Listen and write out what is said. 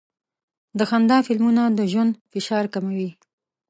د خندا فلمونه د ژوند فشار کموي.